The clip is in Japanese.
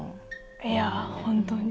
いや本当に。